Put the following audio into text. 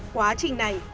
quá trình này